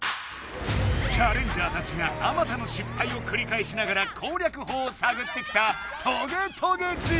チャレンジャーたちがあまたの失敗をくりかえしながら攻略法をさぐってきたトゲトゲ地獄！